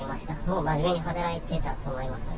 真面目に働いてたと思います。